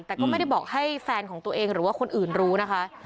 แต่ก็ไม่ได้บอกให้แฟนของตัวเองหรือว่าคนอื่นรู้นะคะ